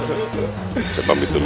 lying pepen youtube